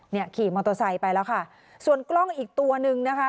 ขี่มอเตอร์ไซค์ไปแล้วค่ะส่วนกล้องอีกตัวนึงนะคะ